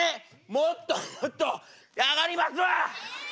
もっともっと上がりますわ！